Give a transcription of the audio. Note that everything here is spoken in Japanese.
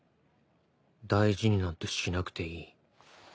大事になんてしなくていい。